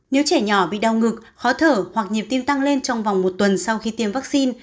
nếu trẻ nhỏ bị đau ngực khó thở hoặc nhịp tim tăng lên trong vòng một tuần sau khi tiêm vaccine